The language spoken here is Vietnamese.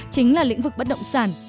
chính là lĩnh vực bất động sản